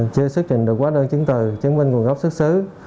chưa xuất trình được quá đơn chứng từ chứng minh quần gốc xuất xứ